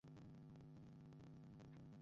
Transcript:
একটু বড়, বেশি না।